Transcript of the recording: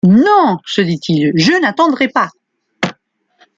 Non ! se dit-il, je n’attendrai pas !…